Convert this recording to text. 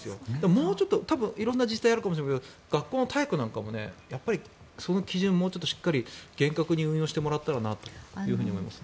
もうちょっと色んな自治体あるかもしれませんが学校の体育なんかもその基準をもうちょっとしっかり厳格に運用してもらったらなと思います。